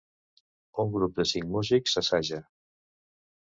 Una grup de cinc músics assaja.